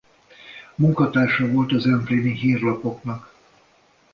Munkatársa volt a zempléni hírlapoknak.